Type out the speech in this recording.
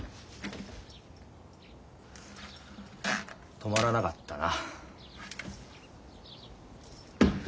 泊まらなかったな。